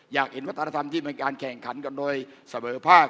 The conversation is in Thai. อยากเห็นวัฒนธรรมที่เป็นการแข่งขันกันโดยเสมอภาค